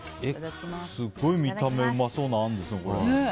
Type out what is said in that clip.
すごい見た目うまそうなあんですね。